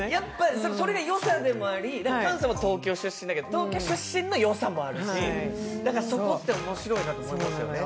それが良さでもあり、菅さんは東京出身だけど、東京出身のよさもあるし、そこって面白いと思いますね。